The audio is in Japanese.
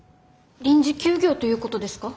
臨時休業ということですか？